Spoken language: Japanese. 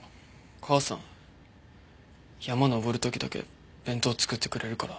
母さん山登る時だけ弁当作ってくれるから。